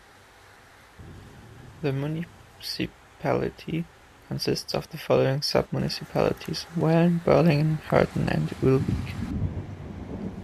The municipality consists of the following sub-municipalities: Wellen, Berlingen, Herten and Ulbeek.